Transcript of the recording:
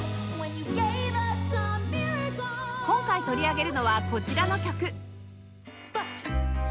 今回取り上げるのはこちらの曲